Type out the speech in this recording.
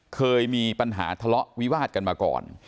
เคยมีปัญหาทะเลาะวิวาดกันมาก่อน